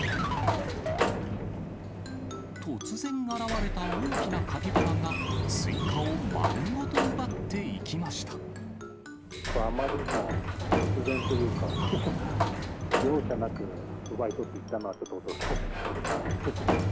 突然現れた大きなカピバラが、あまりにも突然というか、容赦なく奪い取っていったのは、ちょっと驚きましたけどね。